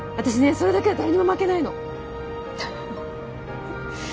それだけは誰にも負けないの。